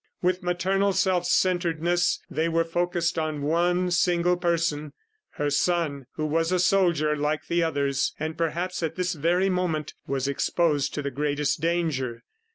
With maternal self centredness they were focussed on one single person her son, who was a soldier like the others, and perhaps at this very moment was exposed to the greatest danger.